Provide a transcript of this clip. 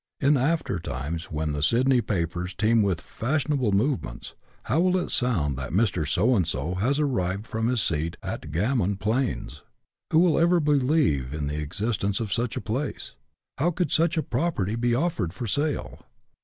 In after times, when the Sydney papers teem with " fashionable movements," how will it sound that Mr. So and so has arrived from his seat at "Gammon Plains"? Who will ever believe in the existence of such a place ? How could such a property be offered for sale